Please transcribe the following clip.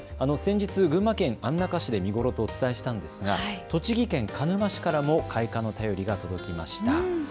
先日、群馬県安中市で見頃とお伝えしたんですが栃木県鹿沼市からも開花の便りが届きました。